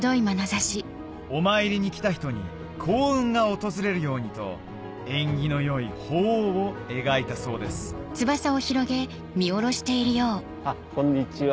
お参りに来た人に幸運が訪れるようにと縁起の良い鳳凰を描いたそうですこんにちは。